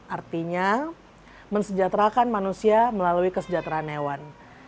artinya mensejahterakan manusia melalui kesejahteraan hewan